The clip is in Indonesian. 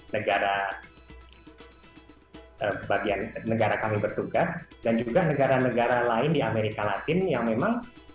negara bagian negara kami bertugas dan juga negara negara lain di amerika latin yang memang